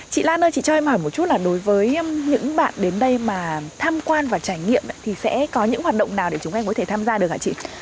chị lan ơi chị cho em hỏi một chút là đối với những bạn đến đây mà tham quan và trải nghiệm thì sẽ có những hoạt động nào để chúng em có thể tham gia được hả chị